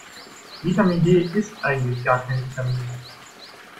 Vitamin D ist eigentlich gar kein Vitamin.